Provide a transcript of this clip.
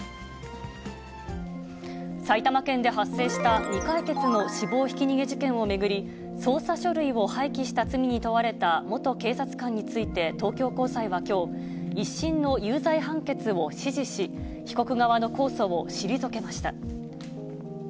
埼玉県で発生した未解決の死亡ひき逃げ事件を巡り、捜査書類を廃棄した罪に問われた元警察官について、東京高裁はきょう、１審の有罪判決を支持し、被告側の控訴を退けました。